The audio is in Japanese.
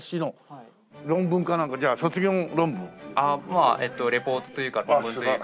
まあリポートというか論文というか。